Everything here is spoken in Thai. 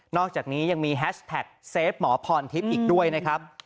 อกจากนี้ยังมีแฮชแท็กเซฟหมอพรทิพย์อีกด้วยนะครับ